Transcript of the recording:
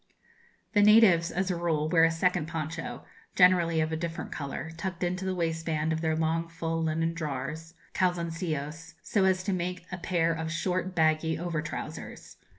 The natives, as a rule, wear a second poncho, generally of a different colour, tucked into the waistband of their long full linen drawers (calzoncillos), so as to make a pair of short baggy over trousers.